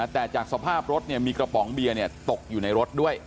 แต่จากสภาพรถมีกระป๋องเบียร์ตกอยู่ในรถด้วย